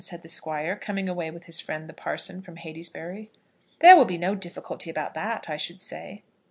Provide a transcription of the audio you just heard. said the Squire, coming away with his friend the parson from Heytesbury. "There will be no difficulty about that, I should say."